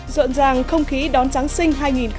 rộn ràng không khí đón giáng sinh hai nghìn một mươi tám